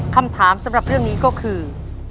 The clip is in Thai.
คำถามสำหรับเรื่องนี้ก็คือ